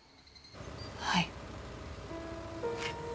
はい。